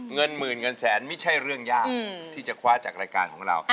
เงินหมื่นเงินแสนไม่ใช่เรื่องยากที่จะคว้าจากรายการของเรา